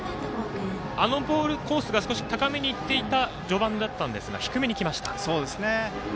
あのボールコースが少し高めにいっていた序盤だったんですが低めにきました。